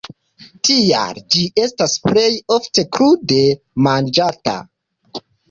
Tial ĝi estas plej ofte krude manĝata.